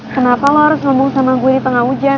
kenapa lo harus ngomong sama gue di tengah hujan